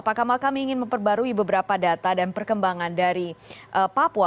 pak kamal kami ingin memperbarui beberapa data dan perkembangan dari papua